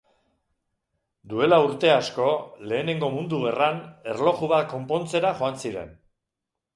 Duela urte asko, lehenengo mundu gerran, erloju bat konpontzera joan ziren.